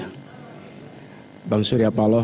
dan ialah yang memiliki kuasa atas segalanya